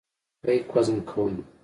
بیک وزن کوم.